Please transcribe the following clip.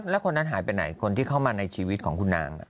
แล้วคนนั้นหายไปไหนคนที่เข้ามาในชีวิตของคุณนาง